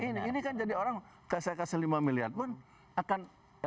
nah ini kan jadi orang kese kese lima miliar pun akan